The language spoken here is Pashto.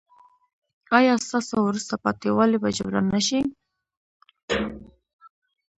ایا ستاسو وروسته پاتې والی به جبران نه شي؟